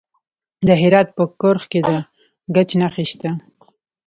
د هرات په کرخ کې د ګچ نښې شته.